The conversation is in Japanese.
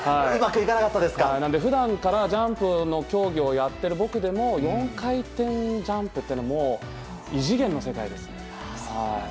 なので普段から、ジャンプの競技をやっている僕でも４回転ジャンプというのはもう異次元の世界です。